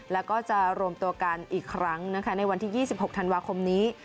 แล้วก็จะรวมตัวกันอีกครั้งนะคะในวันที่๒๖ธันวาคมนี้